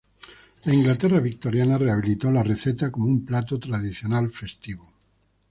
La Inglaterra victoriana rehabilitó la receta como un plato tradicional festivo.